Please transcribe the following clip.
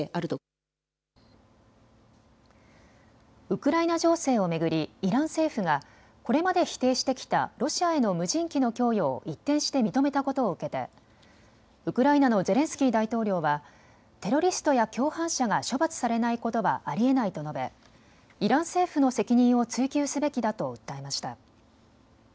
ウクライナ情勢を巡りイラン政府がこれまで否定してきたロシアへの無人機の供与を一転して認めたことを受けてウクライナのゼレンスキー大統領はテロリストや共犯者が処罰されないことはありえないと述べ、イラン政府の責任を追及すべきだと訴えました。